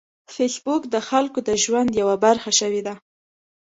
فېسبوک د خلکو د ژوند یوه برخه شوې ده